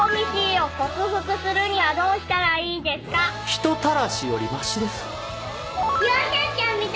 人たらしよりマシです。